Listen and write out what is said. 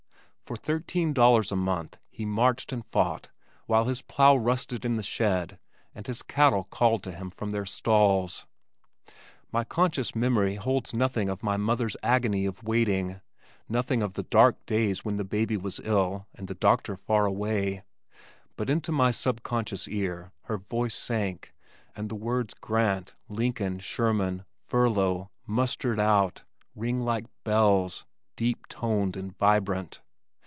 For thirteen dollars a month he marched and fought while his plow rusted in the shed and his cattle called to him from their stalls. My conscious memory holds nothing of my mother's agony of waiting, nothing of the dark days when the baby was ill and the doctor far away but into my subconscious ear her voice sank, and the words Grant, Lincoln, Sherman, "furlough," "mustered out," ring like bells, deep toned and vibrant.